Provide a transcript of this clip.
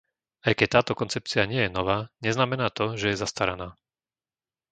Aj keď táto koncepcia nie je nová, neznamená to, že je zastaraná.